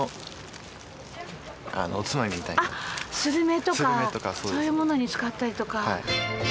あっするめとかそういうものに使ったりとか。